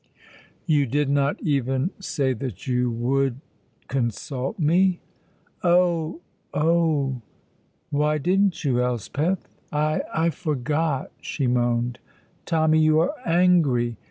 "You did not even say that you would consult me?" "Oh, oh!" "Why didn't you, Elspeth?" "I I forgot!" she moaned. "Tommy, you are angry!"